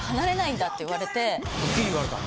はっきり言われたん？